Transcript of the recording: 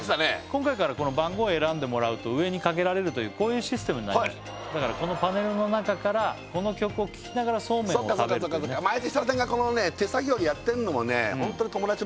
今回からこの番号を選んでもらうと上にかけられるというこういうシステムになりましただからこのパネルの中からこの曲を聴きながらそうめんを食べるというね毎年設楽さんが手作業でやってるのもね